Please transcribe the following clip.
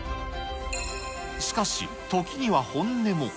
しかし、時には本音も。